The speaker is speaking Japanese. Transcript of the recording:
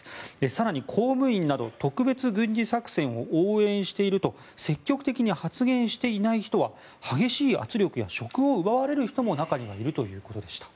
更に公務員など特別軍事作戦を応援していると積極的に発言していない人は激しい圧力や職を奪われる人も中にはいるということでした。